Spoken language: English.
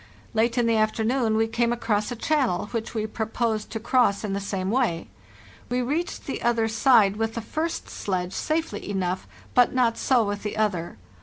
Late in the afternoon we came across a ) "ON TOLERABLY GOOD GROUND' channel, which we proposed to cross in the same way. We reached the other side with the first sledge safely enough, but not so with the other.